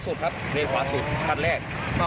อยู่เรนฝาสุดครับเบเท่าไหร่